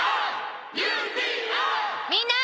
「みんな！